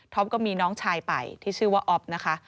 ก็มีน้องชายไปที่ชื่อว่าอ๊อฟนะคะ